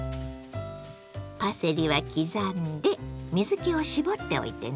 パセリは刻んで水けを絞っておいてね。